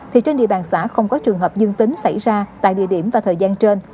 thì trên địa bàn xã không có trường hợp dương tính xảy ra tại địa điểm và thời gian trên